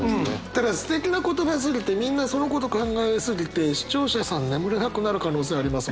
ただすてきな言葉すぎてみんなそのこと考えすぎて視聴者さん眠れなくなる可能性あります。